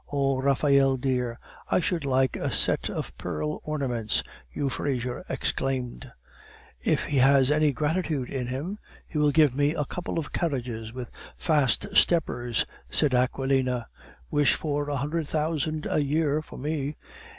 "Oh, Raphael dear, I should like a set of pearl ornaments!" Euphrasia exclaimed. "If he has any gratitude in him, he will give me a couple of carriages with fast steppers," said Aquilina. "Wish for a hundred thousand a year for me!"